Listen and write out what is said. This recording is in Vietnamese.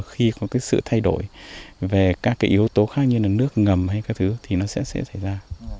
khi có sự thay đổi về các yếu tố khác như nước ngầm hay các thứ thì nó sẽ xảy ra